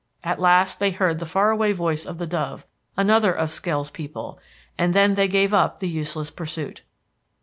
At last they heard the far away voice of the dove, another of Skell's people, and then they gave up the useless pursuit.